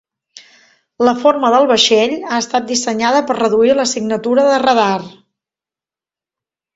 La forma del vaixell ha estat dissenyada per reduir la signatura de radar.